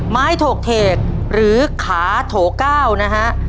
ไม้โถกเทกหรือขาโถก้าวนะฮะ